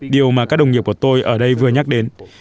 điều mà các đồng nghiệp của tôi ở đây vừa nhắc đến